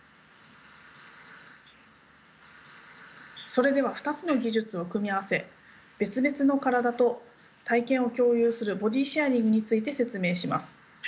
それでは２つの技術を組み合わせ別々の体と体験を共有するボディシェアリングについて説明します。